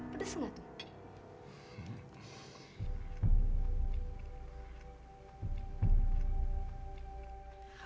pedes gak tuh